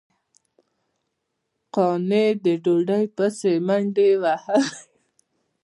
قانع د ډوډۍ پسې منډې وهلې.